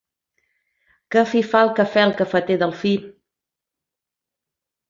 Que fi fa el cafè el cafeter Delfí!